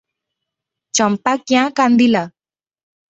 ଚମ୍ପା କ୍ୟାଁ କାନ୍ଦିଲା?